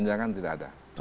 langkah sekedar ingin berhasil